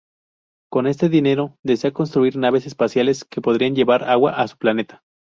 Con este dinero desea construir naves espaciales que podrían llevar agua a su planeta.